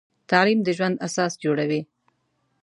تعلیم د ژوند اساس جوړوي.